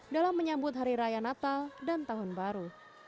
dalam menyambut hari raya natal dan tahun baru